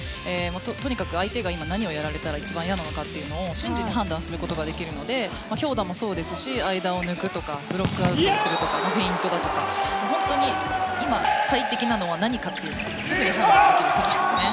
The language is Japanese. とにかく相手が今何をやられたら一番嫌なのかを瞬時に判断することができるので強打もそうですし間を抜くとかブロックアウトをするとかフェイントとか本当に今、最適なのは何かというのをすぐに判断できる選手ですね。